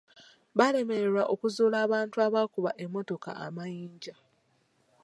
Baalemererwa okuzuula abantu abaakuba emmotoka amayinja.